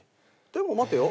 でも待てよ。